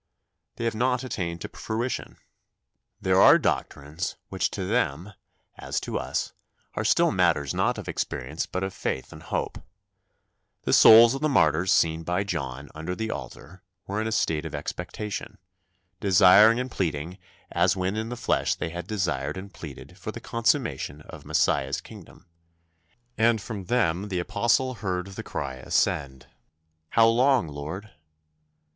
They have not attained to fruition. There are doctrines which to them, as to us, are still matters not of experience but of faith and hope. The souls of the martyrs seen by John under the altar were in a state of expectation, desiring and pleading as when in the flesh they had desired and pleaded for the consummation of Messiah's kingdom; and from them the Apostle heard the cry ascend, "How long, O Lord?"